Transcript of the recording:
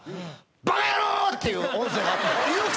バカ野郎！っていう音声があった。